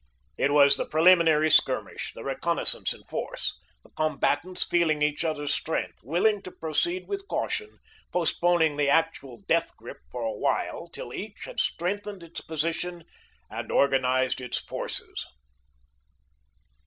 It was the preliminary skirmish, the reconnaisance in force, the combatants feeling each other's strength, willing to proceed with caution, postponing the actual death grip for a while till each had strengthened its position and organised its forces.